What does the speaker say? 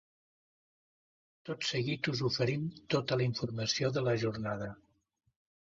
Tot seguit us oferim tota la informació de la jornada.